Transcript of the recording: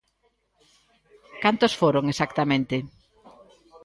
¿Cantos foron exactamente?